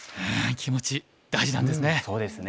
気持ち大事なんですね。